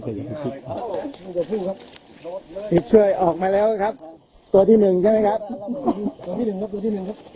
ที่๓ครับเพราะว่าอีก๒ตัวก่อนหน้านี้ได้ไปจัดที่หมู่บ้าน